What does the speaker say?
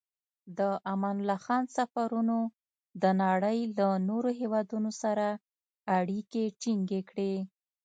د امان الله خان سفرونو د نړۍ له نورو هېوادونو سره اړیکې ټینګې کړې.